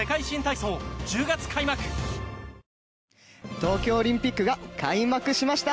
東京オリンピックが開幕しました。